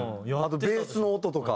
ベースの音とか。